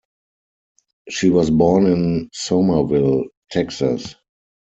She was born in Somerville, Texas.